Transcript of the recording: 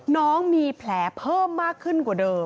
น้องมีแผลเพิ่มมากขึ้น